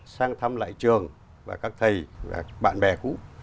sang thăm lại trường và các thầy và bạn bè cũ